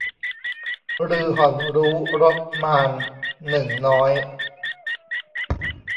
ฤๅห่อนรู้รสมาลย์ หนึ่งน้อย